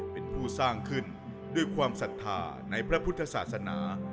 เป็นผู้สร้างขึ้นด้วยความศรัทธาในพระพุทธศาสนา